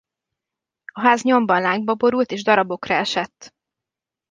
A ház nyomban lángba borult és darabokra esett.